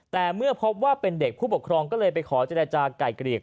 แต่เมื่อพบว่าเป็นเด็กผู้ปกครองก็เลยไปขอเจรจาไก่เกลี่ย